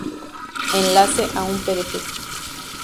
Enlace a un pdf